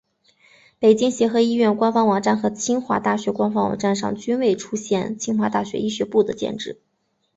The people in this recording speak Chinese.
北京协和医学院官方网站和清华大学官方网站上均未出现清华大学医学部的建制。